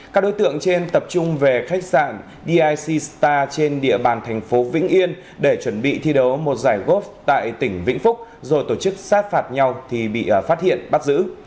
các đối tượng trên tập trung về khách sạn dic star trên địa bàn thành phố vĩnh yên để chuẩn bị thi đấu một giải góp tại tỉnh vĩnh phúc rồi tổ chức sát phạt nhau thì bị phát hiện bắt giữ